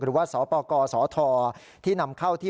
หรือว่าสปกสทที่นำเข้าที่